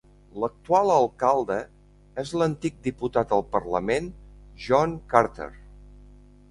L'actual alcalde és l'antic diputat al Parlament John Carter.